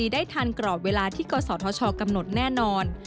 ได้ทันกรอบเวลาที่กศธชกำหนดแน่นอน